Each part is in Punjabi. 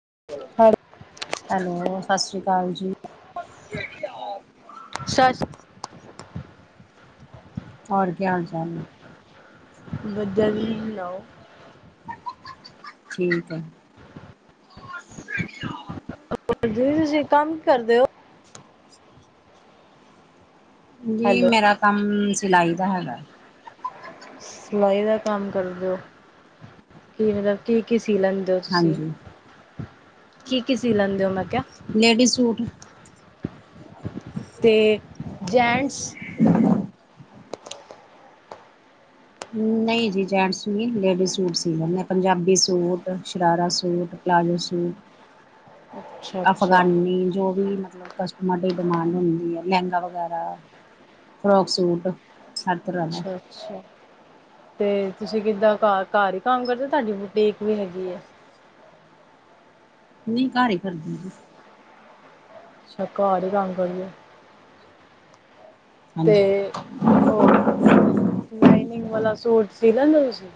[unintelligible] ਹੈਲੋ ਸਤਿ ਸ੍ਰੀ ਅਕਾਲ ਜੀ। ਅਸਟ੍ਰੇਲਿਆਂ [unintelligible] ਹੋਰ ਕੀ ਹਾਲ-ਚਾਲ ਏ। ਵਧੀਆਂ ਤੁਸੀ ਸੁਣਾਓ। ਠੀਕ ਐ। [unintelligible] ਤੁਸੀਂ ਕੰਮ ਕੀ ਕਰਦੇ ਹੋ। ਜੀ ਹੈਲੋ ਮੇਰਾ ਕੰਮ ਸਿਲਾਈ ਦਾ ਹੈਗਾ। ਸਿਲਾਈ ਦਾ ਕੰਮ ਕਰਦੇ ਹੋ ਕੀ ਮਤਲਬ ਕੀ-ਕੀ ਸੀ ਲੈਂਦ ਦਿਓ ਤੁਸੀਂ ਹਾਂਜੀ ਕੀ-ਕੀ ਸੀ ਲੈਂਦੇ ਹੋ ਮੈਂ ਕਿਹਾ। ਲੇਡੀਜ਼ ਸੂਟ ਤੇ ਜੈਂਟਸ ਨਹੀਂ ਜੀ ਜੈਂਟਸ ਨੀ ਲੇਡੀਜ਼ ਸੂਟ ਸੀ ਲੈਂਨੇ ਆਂ Punjabi suit, sharara suit palazzo suit ਅੱਛਾ ਅੱਛਾ ਅਫਗਾਨੀ ਜੋ ਵੀ ਮਤਲਬ ਕਸ ਟਮਰ ਡਿਮਾਂਡ ਹੁੰਦੀ ਏ ਲਹਿੰਗਾ ਵਗੈਰਾ ਫਰੋਕ ਸੂਟ ਹਰ ਤਰ੍ਹਾਂ ਦਾ ਅੱਛਾ ਅੱਛਾ ਤੇ ਤੁਸੀਂ ਕਿੱਦਾਂ ਘਾਰ-ਘਾਰ ਹੀ ਕੰਮ ਕਰਦੇ ਓ ਤੁਹਾਡੀ ਬੂਟੀਕ ਵੀ ਹੈਗੀ ਐ। ਨਹੀਂ ਘਰ ਹੀ ਕਰਦੀ ਜੀ। ਅੱਛਾ ਘਰ ਈ ਕੰਮ ਕਰਦੇ। ਤੇ ਹਾਂਜੀ ਓਹ ਲਾਈਨਿਂਗ ਵਾਲਾ ਸੂਟ ਸੀ ਲੈਂਦੇ ਤੁਸੀਂ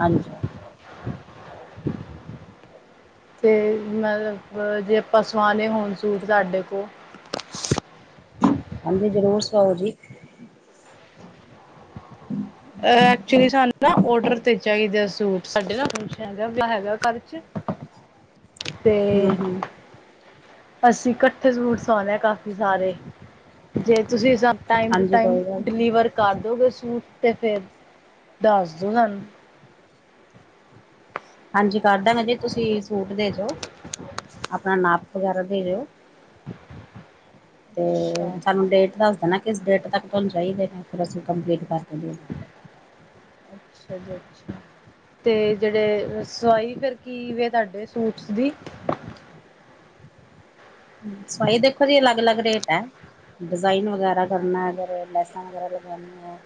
ਹਾਂਜੀ ਫੇਰ ਮਤਲਬ ਜੇ ਅਪਾਂ ਸੂਆਨੇ ਹੋਨ ਸੂਟ ਸਾਡੇ ਕੋਲ। ਹਾਂਜੀ, ਜ਼ਰੂਰ ਸੁਆਓ ਜੀ। [unintelligible] ਐਕਚੁਲੀ ਸਾਨੂੰ ਨਾ ਔਡਰ ਤੇ ਚਾਹੀਦੇ ਸੂਟ ਸਾਡੇ ਨਾ [unintelligible] ਵਿਆਹ ਹੈਗਾ ਘਰ ਚ। ਤੇ ਹਮ ਹਮ ਅਸੀਂ ਕੱਠੇ ਸੂਟ ਸਵਾਨੇਆਂ ਕਾਫੀ ਸਾਰੇ ਜੇ ਤੁਸੀਂ ਸਾਨ ਟਾਈਮ ਟੂ ਹਾਂਜੀ ਟਾਈਮ ਕੋਈ ਗੱਲ ਨਹੀਂ ਡਿਲੀਵਰ ਕਰ ਦਿਉਗੇ ਸੂਟ ਤੇ ਫਿਰ ਦੱਸ ਦੋ ਸਾਨੂੰ। ਹਾਂਜੀ ਕਰ ਦੇਣਾ ਜੀ ਤੁਸੀਂ ਸੂਟ ਦੇ ਜੋੋ। ਆਪਣਾ ਨਾਪ ਵਗੈਰਾ ਦੇ ਜਾਓ। ਤੇ ਅੱਛਾ ਸਾਨੂੰ ਡੇਟ ਦੱਸ ਦੇਣਾ। ਕਿਸ ਡੇਟ ਤੱਕ ਤੁਹਾਨੂੰ ਚਾਹੀਦੇ ਨੇ ਫਿਰ ਅਸੀਂ ਕੰਪਲੀਟ ਕਰ ਦਦੇ। ਅੱਛਾ ਜੀ ਅੱਛਾ। ਤੇ ਜਿਹੜੇ ਅ ਸਵਾਈ ਫਿਰ ਕੀ ਵੇ ਤੁਹਾਡੇ ਸੂਟਸ ਦੀ? ਸਵਾਹੀ ਦੇਖ ਜੀ ਅਲਗ-ਅਲਗ ਰੇਟ ਹੈ। ਡਿਜ਼ਾਇਨ ਵਗੈਰਾ ਕਰਨਾ ਅਗਰ ਲੈਸਾਂ ਵਗੈਰਾ ਲਗਵਉਣੀਆ।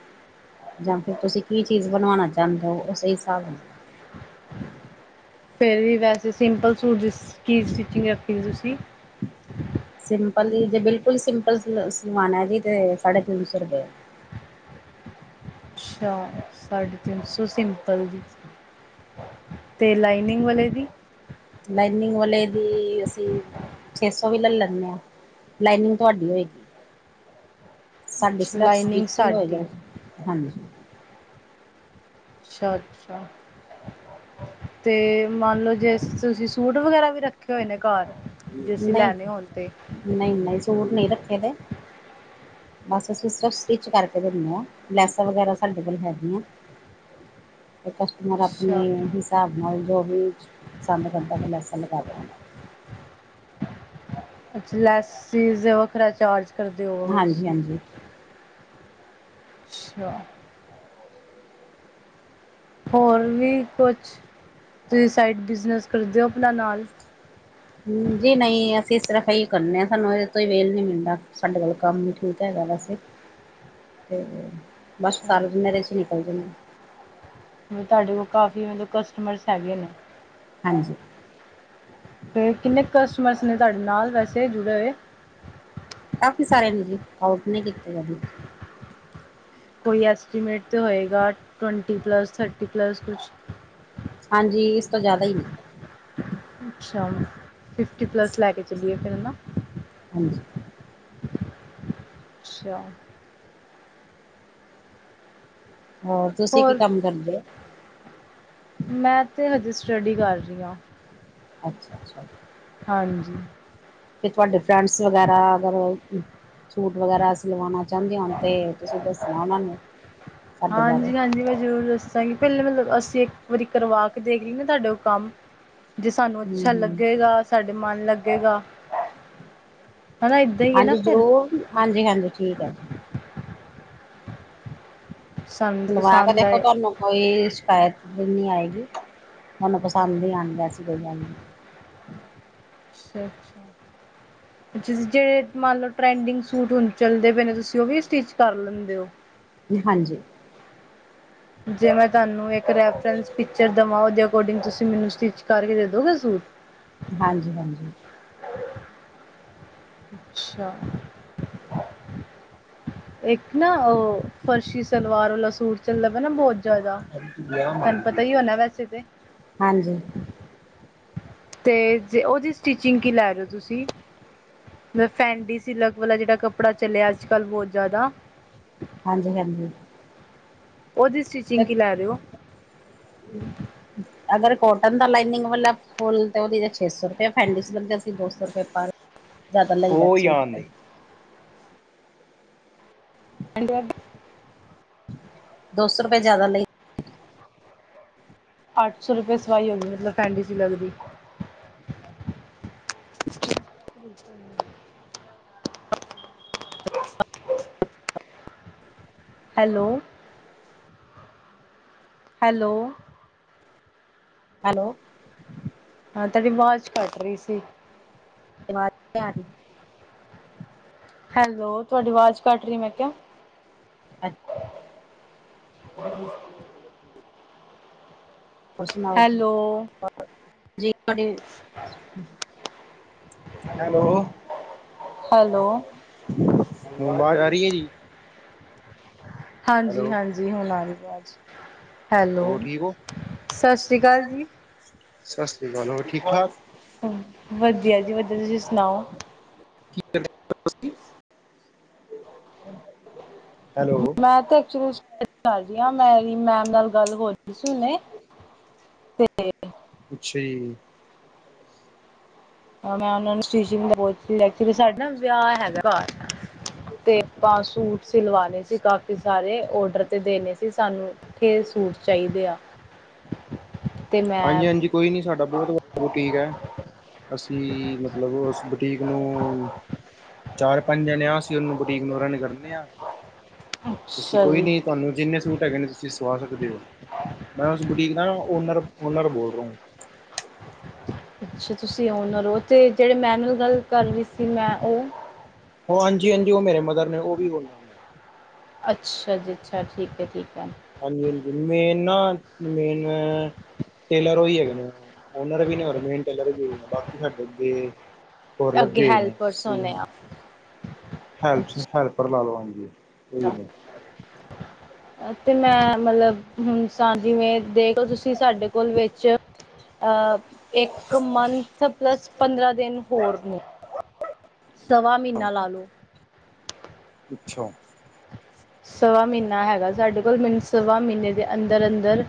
ਜਾਂ ਫੇਰ ਤੁਸੀਂ ਕੀ ਚੀਜ਼ ਬਣਵਾਉਣਾ ਚਾਹੁੰਦੇ ਹੋ ਓਸ ਹਿਸਾਬ ਫੇਰ ਵੀ ਵੈਸੇ ਸਿੰਪਲ ਸੂਟ ਜਿਸ ਕੀ ਸਟਿਚਿੰਗ ਰੱਖੀ ਤੁਸੀਂ? ਸਿੰਪਲ ਜ ਜੇ ਬਿਲਕੁਲ ਸਿੰਪਲ ਸਲ ਸਿਵਾਨਾ ਹੈ ਜੀ ਤੇ ਸਾਢੇ- ਤਿੰਨ ਸੋ ਰੁਪਏ। ਅੱਛਾ ਸਾਢੇ ਤਿੰਨ ਸੌ ਸਿੰਪਲ ਦੀ। ਤੇ ਲਾਈਨਿਂਗ ਵਾਲੇ ਦੀ। ਲਾਈਨਿੰਗ ਵਾਲੇ ਦੀ ਅਸੀਂ ਛੇ ਸੌ ਵੀ ਲੈ ਲੈਂਨੇ ਆ। ਲਾਈਨਿੰਗ ਤੁਹਾਡੀ ਹੋਏਗੀ ਸਾਡੀੇ ਸਿਰਫ ਲਾਈਨਿੰਗ ਸਟਿਚਿੰਗ ਸਾਡੀ ਹੋਏਗਾ। ਹਾਂਜੀ। ਅੱਛਾ-ਅੱਛਾ। ਤੇ ਮੰਨ ਲਓ ਜੇ ਤੁਸੀਂ ਸੂਟ ਵਗੈਰਾ ਵੀ ਰੱਖੇ ਹੋਏ ਨੇ ਘਰ? ਜੇ ਅਸੀ ਲੈਨੇ ਹੋਨ ਤੇ? ਨਹੀਂ-ਨਹੀਂ ਸੂਟ ਨਹੀਂ ਰੱਖੇ ਦੇ। ਬਸ ਅਸੀਂ ਸਿਰਫ ਸਟਿਚ ਕਰਕੇ ਦਿੰਦੇ ਹਾਂ ਲੈਸਾਂ ਵਗੈਰਾ ਸਾਡੇ ਕੋਲ ਹੈਗੀਆ। [unintelligible] ਨਾਲ ਆਪਣੇ ਅੱਛਾ ਹਿਸਾਬ ਨਾਲ ਜੋ ਵੀ ਪਸੰਦ ਕਰਦਾ ਤਾ ਲੈਸਾਂ ਲਗਾ ਦਿੰਨੇ ਆ। ਅੱਛਾ ਲੈਸਸੀਜ ਵੱਖਰਾ ਚਾਰਜ ਕਰਦੇ ਹੋਵਗੇ ਹਾਂਜੀ ਤੁਸੀਂ। ਹਾਂਜੀ ਅੱਛਾ। ਹੋਰ ਵੀ ਕੁਛ ਤੁਸੀਂ ਸਾਈਡ ਬਿਜ਼ਨਸ ਕਰਦੇ ਹੋ ਆਪਣਾ ਨਾਲ। ਹੁ ਜੀ ਨਹੀਂ ਅਸੀਂ ਸਿਰਫ਼ ਆਹੀ ਕਰਨੇ ਹਾਂ ਸਾਨੂੰ ਇਹਦੇ ਤੋਂਈ ਵੇਲ ਨੀ ਮਿਲਦਾ। ਸਾਡੇ ਵਲ ਕੰਮ ਠੀਕ ਹੈਗਾ ਵੈਸੇ। ਤੇ ਬਸ ਅੱਛਾ ਸਾਰਾ ਦਿਨ ਇਹਦੇ ਚ ਨਿਕਲ ਜਾਂਦਾ। ਮਤਲਬ ਤੁਹਾਡੇ ਕੋਲ ਕਾਫੀ ਮਤਲਬ ਕਸਟਮਰਸ ਹੈਗੇ ਨੇ। ਹਾਂਜੀ। ਤੇ ਕਿੰਨੇ ਕਸਟਮਰਸ ਨੇ ਤੁਹਾਡੇ ਨਾਲ ਵੈਸੇ ਜੁੜੇ ਹੋਏ? ਕਾਫੀ ਸਾਰੇ ਨੇ ਜੀ ਕੋਟ ਨੀ ਕੀਤੇ ਕਦੀ। ਕੋਈ ਐਸਟੀਮੇਟ ਤਾਂ ਹੋਏਗਾ ਟਵੰਟੀ ਪਲੱਸ, ਥਰਟੀ ਪਲੱਸ ਕੁਛ। ਹਾਂਜੀ, ਇਸ ਤੋਂ ਜਾਦਾ ਹੀ ਨੇ। ਅੱਛਾ ਫਿਫਟੀ ਪਲੱਸ ਲੈ ਕੇ ਚਲੀਏ ਫੇਰ ਹਨਾ। ਹਾਂਜੀ। ਅੱਛਾ। ਹੋਰ ਤੁਸੀਂ ਕੀ ਕੰਮ ਕਰਦੇ ਹੋ? ਮੈਂ ਤੇ ਹਜੇ ਸਟੱਡੀ ਕਰ ਰਹੀ ਹਾ। ਅੱਛਾ-ਅੱਛਾ। ਹਾਂਜੀ। ਤੇ ਤੁਹਾਡੇ ਫਰੈਂਡਸ ਵਗੈਰਾ ਅਗਰ ਸੂਟ ਵਗੈਰਾ ਸਿਲਵਾਨਾ ਚਾਹੁੰਦੇ ਹੋਣ ਤੇ ਤੁਸੀਂ ਦੱਸਣਾ ਉਹਨਾਂ ਨੂੰ। ਸਾਡੇ ਬਾਰੇ ਹਾਂਜੀ ਹੂੰ ਹਾਂਜੀ ਮੈਂ ਜ਼ਰੂਰ ਦੱਸਾਂਗੀ, ਪਹਿਲੇ ਮਤਲਬ ਅਸੀਂ ਇੱਕ ਵਾਰੀ ਕਰਵਾ ਕੇ ਦੇਖ ਲਈ ਨਾ ਤੁਹਾਡੇ ਉਹ ਕੰਮ ਜੇ ਸਾਨੂੰ ਅੱਛਾ ਹੂੰ ਲੱਗੇਗਾ, ਸਾਡੇ ਮਨ ਲੱਗੇਗਾ ਹਨਾ ਏਦਾਂ ਹੀ ਹੈ ਨਾ ਹਾਂਜੀ ਫਿਰ ਜ਼ਰੂਰ, ਹਾਂਜੀ ਹਾਂਜੀ ਠੀਕ ਐ ਜੀ। ਸਾਨੂੰ ਸਿਲਵਾ ਕੇ ਪਸੰਦ ਦੇਖੋ ਆਏ ਤਆਨੂੰ। ਕੋਈ ਸ਼ਿਕਾਇਤ ਨ੍ਹੀਂ ਆਏਗੀ। ਤੁਹਾਨੂੰ ਪਸੰਦ ਈ ਆਂਦਾ ਐਸੀ ਕੋਈ ਗੱਲ ਨ੍ਹੀਂ। ਅੱਛਾ ਅੱਛਾ। [unintelligible] ਜਿਸ ਜਿਹੜੇ ਮੰਨ ਲਓ ਟਰੈਂਡਿੰਗ ਸੂਟ ਹੁਣ ਚੱਲਦੇ ਪਏ ਨੇ, ਤੁਸੀਂ ਉਹ ਵੀ ਸਟਿਚ ਕਰ ਲੈਂਦੇ ਹੋ? ਹਾਂਜੀ। ਜੇ ਮੈਂ ਤੁਹਾਨੂੰ ਇੱਕ ਰੈਫਰੈਂਸ ਪਿਕਚਰ ਦੇਵਾਂ ਉਹਦੇ ਅਕੋਰਡਿੰਗ ਤੁਸੀਂ ਮੈਨੂੰ ਸਟੀਚ ਕਰਕੇ ਦੇ ਦੋਗੇ ਸੂਟ ਹਾਂਜੀ ਹਾਂਜੀ। ਅੱਛਾ। [inaudible] ਇੱਕ ਨਾਂ ਉਹ ਫਰਸ਼ੀ ਸਲਵਾਰ ਵਾਲਾ ਸੂਟ ਚੱਲਦਾ ਪਆਨਾਂ ਬਹੁਤ ਜ਼ਿਆਦਾ, ਤੁਹਾਨੂੰ ਪਤਾ ਹੀ ਹੋਣਾ ਵੈਸੇ ਤੇ। ਹਾਂਜੀ। ਤੇ ਜੇ ਉਹਦੀ ਸਟਿਚਿੰਗ ਕੀ ਲੈ ਰਹੇ ਹੋ ਤੁਸੀਂ? ਫ ਫੈਂਡੀ ਸਿਲਕ ਵਾਲਾ ਜਿਹੜਾ ਕੱਪੜਾ ਚੱਲਿਆ ਅੱਜ-ਕੱਲ੍ਹ ਬਹੁਤ ਜ਼ਿਆਦਾ ਹਾਂਜੀ ਹਾਂਜੀ। ਉਹਦੀ ਸਟੀਿਚਿੰਗ ਕਿ ਲੈ ਰਹੇ ਹੋ? [inaudible] ਅਗਰ ਕੋਟਨ ਦਾ ਲਾਈਨਿੰਗ ਵਾਲਾ ਫੁੱਲ ਤੇ ਉਹਦੀ ਤੇ ਛੇ ਸੌ ਰੁਪਏ। ਫੈਂਡ ਅਸੀਂ ਦੋ ਸੌ ਰੁਪਏ ਪਰ ਜ਼ਿਆਦਾ ਲ ਲੈ ਉਹ ਸੀ ਯਾਦ ਤੇ ਨਹੀਂ ਹੰਡ ਵ [unintelligible] ਦੋ ਸੌ ਰੁਪਏ ਜ਼ਿਆਦਾ ਲਈ ਅੱਠ ਸੌ ਰੁਪਏ ਸਵਾਈ ਹੋਗੀ, ਮਤਲਬ ਫੈਂਡੀ ਸਿਲਕ ਦੀ। [unintelligible] ਹੈਲੋ ਹੈਲੋ ਹੈਲੋ ਹਾਂ, ਤੁਹਾਡੀ ਵਾਜ ਕੱਟ ਰਹੀ ਸੀ। ਅਵਾਜ਼ ਨੀਂ ਆ ਰਹੀ। ਹੈਲੋ, ਤੁਹਾਡੀ ਆਵਾਜ਼ ਕੱਟ ਰਹੀ ਮੈਂ ਕਿਆ। ਅੱਛ [unintelligible] ਹੋਰ ਸੁਣਾਓ ਜੀ, ਹੈਲੋ [unintelligible] ਜੀ ਤੁਹਾਡੀ ਹੈਲੋ। ਹੈਲੋ ਹੁਣ ਆਵਾਜ਼ ਆ ਰਹੀ ਹੈ ਜੀ। ਹੈਲੋ ਹਾਂਜੀ ਹਾਂਜੀ। ਹੁਣ ਆ ਗਹੀ ਵਾਜ, ਹੈਲੋ, ਹੋਰ ਠੀਕ ਹੋ ਸਤਿ ਸ਼੍ਰੀ ਅਕਾਲ ਜੀ। ਸਤਿ ਸ੍ਰੀ ਅਕਾਲ ਹੋਰ ਠੀਕ ਠਾਕ ਵਧੀਆ ਜੀ ਵਧੀਆ। ਤੁਸੀਂ ਸੁਣਾਓ? ਕੀ ਕਹਿੰਦੇ ਪੈਓ, ਤੁਸੀਂ। ਮੈਂ ਤੇ ਏਕਚੂਲੀ ਚ ਕਰ ਰਹੀਆਂ, ਮੇਰੀ ਮੈਮ ਨਾਲ ਗੱਲ ਹੋ ਰਹੀ ਸੀ ਹੁਨੇਂ ਤੇ ਅੱਛਾ ਜੀ। ਮੈਂ ਓਨਾਂ ਨੂੰ ਸ਼ਟੀਚੀਗ ਦਾ ਬ ਪੁੱਛ ਰੀ। ਐਕਚੁਲੀ ਸਾਡੇ ਨਾਂ ਵਿਆਹ ਹੈਗਾ ਘਰ ਤੇ ਆਪਾਂ ਸੂਟ ਸਿਲਵਾਣੇ ਸੀ। ਕਾਫੀ ਸਾਰੇ ਓਡਰ ਤੇ ਦੇਣੇਂ ਸੀ ਸਾਨੂੰ ਛੇ ਸੂਟ ਚਾਹੀਦੇ ਆ। ਤੇ ਮੈਂ ਹਾਂਜੀ ਹਾਂਜੀ, ਕੋਈ ਨੀਂ ਸਾਡਾ ਬਹੁਤ ਵੱਡਾ ਬੂਟੀਕ ਐ। ਅਸੀਂ ਮਤਲਬ, ਓਸ ਬੁਟੀਕ ਨੂੰ ਚਾਰ- ਪੰਜਣੇ ਆ। ਅਸੀਂ ਉਹਨੂੰ ਬੁਟੀਕ ਨੂੰ ਰਨ ਕਰਨੇ ਆ। ਤੁਸੀਂ ਅੱਛਾ ਕੋਈ ਜੀ ਨੀ ਤੁਹਾਨੂੰ ਜਿੰਨੇ ਸੂਟ ਹੈਗੇ ਨੇ, ਤੁਸੀਂ ਸਵਾ ਸਕਦੇ ਓ, ਮੈਂ ਉਸ ਬੁਟੀਕ ਦਾ ਓਨਰ ਓਨਰ ਬੋਲ ਰਹਾ ਹੂੰ। ਅੱਛਾ। ਤੁਸੀਂ ਓਨਰ ਹੋ, ਤੇ ਜੇੜੇ ਮੈਮ ਨਾਲ ਗੱਲ ਕਰ ਰਹੀ ਸੀ, ਮੈਂ ਉਹ ਓ ਹਾਂਜੀ ਹਾਂਜੀ, ਉਹ ਮੇਰੇ ਮਦਰ ਨੇ ਓ ਵੀ ਓਨਰ ਨੇ ਅੱਛਾ ਜੀ, ਅੱਛਾ ਠੀਕ ਹੈ-ਠੀਕ ਹੈ। ਹਾਂਜੀ-ਹਾਂਜੀ ਮੇਨ ਨਾ ਮੇਨ ਟੇਲਰ ਉਈ ਹੈਗੇ ਨੇ ਓਨਰ ਵੀ ਨੇ, ਔਰ ਮੇਨ ਟੇਲਰ ਵੀ ਨੇ ਬਾਕੀ ਸਾਡੇ ਅੱਗੇ ਹੋਰ ਅੱਗੇ ਲੱਗੇ ਨੇ ਹੈਲਪਰਸ ਹੋਣੇ ਆ ਅੱਛਾ ਹੈਲਪ-ਹੈਲਪ। ਉੱਪਰ ਲਾ ਲਵਾਂਗੇ ਉਹੀ ਨਹੀਂ ਤੇ ਮੈਂ ਮਤਲਬ ਹੁਣ ਜਿਵੇਂ ਦੇਖ ਲੋ ਤੁਸੀਂ ਸਾਡੇ ਕੋਲ ਵਿੱਚ ਆ ਇੱਕ ਮੰਥ ਪਲੱਸ ਪੰਦਰਾਂ ਦਿਨ ਹੋਰ ਨੇ। ਸਵਾ ਮਹੀਨਾ ਲਾਲੋ [unintelligible] ਅੱਛਾ। ਸਵਾ ਮਹੀਨਾ ਹੈਗਾ, ਸਾਡੇ ਕੋਲ ਮੈਨੂੰ ਸਵਾ ਮਹੀਨੇ ਦੇ ਅੰਦਰ ਅੰਦਰ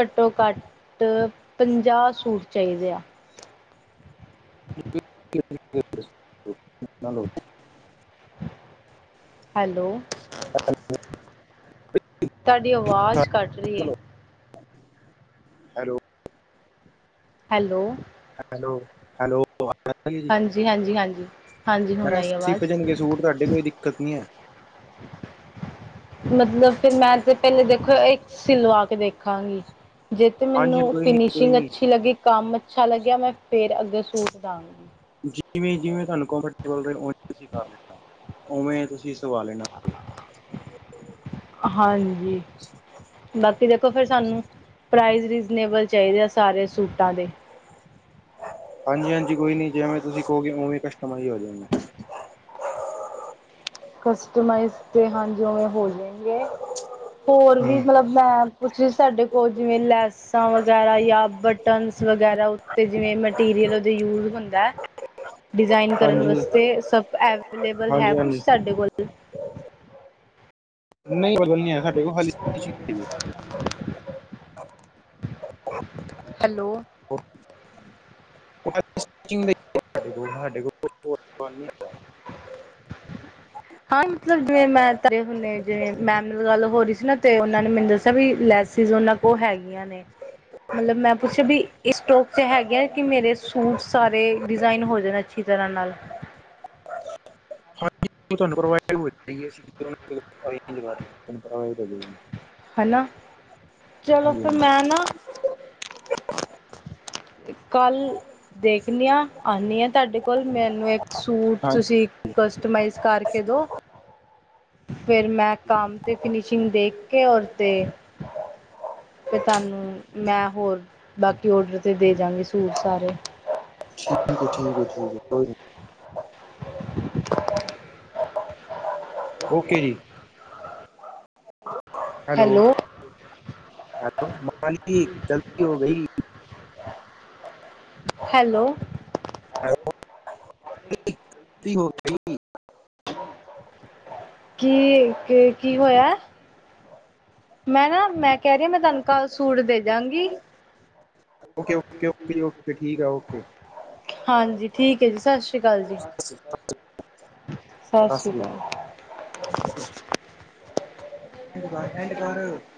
ਘੱਟੋ-ਘੱਟ ਪੰਜਾਹ ਸੂਟ ਚਾਹੀਦੇ ਆ। [inaudible] ਹੈਲੋ। ਤੁਆਡੀ ਆਵਾਜ਼ ਕੱਟ ਰਹੀ ਏ। ਹੈਲੋ। ਹੈਲੋ। ਹੈਲੋ-ਹੈਲੋ ਹਾਂਜੀ-ਹਾਂਜੀ, ਹਾਂਜੀ-ਹਾਂਜੀ ਮੈਂ ਹੁਣ ਕਿਹਾ ਆਈ ਆਵਾਜ਼ ਸਿਪ ਜਾਣਗੇ ਸੂਟ ਤੁਆਡੀ ਕੋਈ ਦਿੱਕਤ ਨੀ ਐ। ਮਤਲਬ, ਫਿਰ ਮੈਂ ਤੇ ਪਹਿਲੇ ਦੇਖੋ, ਇੱਕ ਸਿਲਵਾ ਕੇ ਦੇਖਾਂਗੀ। ਜੇ ਤੇ ਹਾਂਜੀ ਮੈਨੂੰ ਕੋਈ ਨੀ ਕੋਈ ਫਿਨਿਸ਼ਿੰਗ ਨੀ ਅੱਛੀ ਲੱਗੀ, ਕੰਮ ਅੱਛਾ ਲੱਗਿਆ। ਮੈਂ ਫੇਰ ਅੱਗੇ ਸੂਟ ਦਾਂਗੀ। ਜਿਵੇਂ-ਜਿਵੇਂ ਤੁਹਾਨੂੰ ਕੰਫਰਟੇਬਲ ਰਏ, ਓਵੇ ਤੁਸੀਂ ਕਰ ਲੈਣਾ, ਓਵੇ ਤੁਸੀਂ ਸਵਾ ਲੈਣਾ। ਹਾਂਜੀ। ਬਾਕੀ, ਦੇਖੋ ਫਿਰ ਸਾਨੂੰ ਪ੍ਰਾਈਜ਼ ਰੀਜਨੇਬਲ ਚਾਹੀਦੇ ਆ। ਸਾਰੇ ਸੂਟਾਂ ਦੇ ਹਾਂਜੀ-ਹਾਂਜੀ ਕੋਈ ਨੀ ਜਿਵੇਂ ਤੁਸੀਂ ਕਹੋਗੇ, ਉਵੇਂ ਕਸਟਮਾਈਜ਼ ਹੋ ਜਾਂਣਗੇ। ਕਸਟਮਾਈਜ਼ ਤੇ ਹਾਂਜੀ ਓਵੇਂ ਹੋ ਜਾਣਗੇ, ਹੋਰ ਵੀ ਹੂੰ ਮਤਲਬ ਮੈਂ ਪੁੱਛ ਸਾਡੇ ਕੋਲ ਜਿਵੇਂ ਲੈਸਾਂ ਵਗੈਰਾ ਜਾਂ ਬਟਨਸ ਵਗੈਰਾ ਅਤੇ ਜਿਵੇਂ ਮਟੀਰੀਅਲ ਉਦੇ ਯੂਜ਼ ਹੁੰਦਾ। [unintelligible] ਡਿਜ਼ਾਇਨ ਕਰਨ ਵਾਸਤੇ ਸਭ ਅਵੇਲੇਬਲ ਹੈ। ਕੁੱਛ ਹਾਂਜੀ-ਹਾਂਜੀ-ਹਾਂਜੀ ਸਾਡੇ ਕੋਲ ਨਹੀਂ, ਉਹ ਤਾਂ ਨਹੀਂ ਹੈ। ਸਾਡੇ ਕੋਲ ਖਾਲੀ [inaudible] ਹੈਲੋ। [inaudible] ਹਾਂ ਮਤਲੱਬ ਜਿਵੇਂ ਮੈਂਮ ਘਰੇ ਹੁਨੇ, ਜਿਵੇਂ ਮੈਮ ਨਾਲ ਗੱਲ ਹੋ ਰਹੀ ਸੀ ਨਾ ਤੇ ਉਹਨਾਂ ਨੇ ਮੈਨੂੰ ਦੱਸਿਆ ਵੀ ਲੈਸੀਜ ਉਹਨਾਂ ਉਹ ਹੈਗੀਆਂ ਨੇ। ਮਤਲੱਬ ਮੈਂ ਪੁੱਛਿਆ ਵੀ ਇਸ ਸਟੋਕ ਚ ਹੈਗੇ ਆ, ਕਿ ਮੇਰੇ ਸੂਟ ਸਾਰੇ ਡਿਜ਼ਾਇਨ ਹੋ ਜਾਣੇ। ਅੱਛੀ ਤਰ੍ਹਾਂ ਨਾਲ [inaudible] ਹਾਂਜੀ [unintelligible] ਹੈਨਾ ਚਲੋ ਹਾਂਜੀ ਫਿਰ ਹਾਂਜੀ ਮੈਂ ਨਾ ਕੱਲ੍ਹ ਦੇਖਣੇ ਹਾਂ ਆਨੇ ਆ, ਤੁਹਾਡੇ ਕੋਲ ਮੈਨੂੰ ਇੱਕ ਸੂਟ ਹਾਂਜੀ ਤੁਸੀਂ ਕਸਟਮਾਈਜ਼ ਕਰਕੇ ਦੋ ਫਿਰ ਮੈਂ ਕੰਮ ਤੇ ਫਿਨਿਸ਼ਿੰਗ ਦੇਖ ਕੇ ਔਰ ਤੇ ਫਿਰ ਤੁਹਾਨੂੰ ਮੈਂ ਹੋਰ ਬਾਕੀ ਔਡਰ ਤੇ ਦੇ ਜਾਗੇ ਸੂਟ ਸਾਰੇ। [inaudible] [unintelligible] [inaudible] ਓਕੇ ਜੀ। ਹੈਲੋ ਹੈਲੋ ਮਾਲਿਕ ਗਲਤੀ ਹੋ ਗਈ। ਹੈਲੋ [unintelligible] ਕੀ -ਕੀ -ਕੀ ਹੋਇਆ? ਮੈਂ ਨਾ ਮੈਂ ਕਹਿ ਰੀ ਮੈਂ ਤੁਹਾਨੂੰ ਕਲ ਸੂਟ ਦੇ ਜਾਗੀ। ਓਕੇ -ਓਕੇ -ਓਕੇ -ਓਕੇ ਠੀਕ ਆ ਓਕੇ। ਹਾਂਜੀ ਠੀਕ ਏ ਜੀ ਸਤਿ ਸ਼੍ਰੀ ਆਕਾਲ ਜੀ। ਸਤਿ ਸਤਿ ਸ਼੍ਰੀ ਅਕਾਲ। [unintelligible]